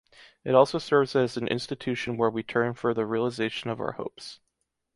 It also serves as an institution where we turn for the realization of our hopes.